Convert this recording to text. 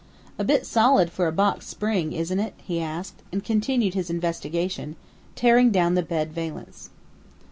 "A bit solid for a box spring, isn't it?" he asked, and continued his investigation, tearing down the bed valance.